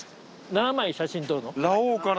７枚写真撮るの？